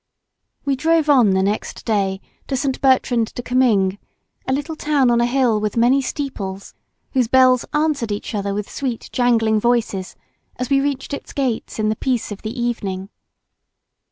We drove on the next day to St. Bertrand de Comminges, a little town on a hill with many steeples, whose bells answered each other with sweet jangling voices as we reached its gates in the peace of the evening.